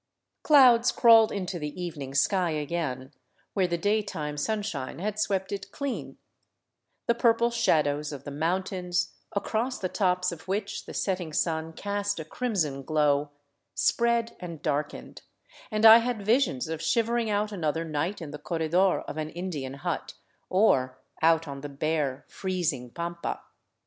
Clouds crawled into the evening sky again, where the daytime sun shine had swept it clean ; the purple shadows of the mountains, across the tops of which the setting sun cast a crimson glow, spread and darkened, and I had visions of shivering out another night in the corredor of an Indian hut, or out on the bare, freezing pampa.